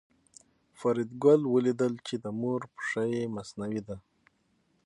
فریدګل ولیدل چې د مور پښه یې مصنوعي ده